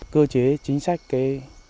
cơ chế chính sách kinh tế